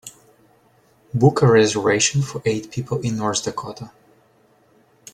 Book a reservation for eight people in North Dakota